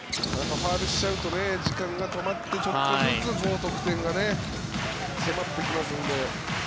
ファウルしちゃうと時間が止まってちょっとずつ得点がね迫ってきますんで。